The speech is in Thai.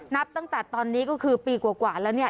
นับตั้งแต่ตอนนี้ก็คือปีกว่าแล้วเนี่ย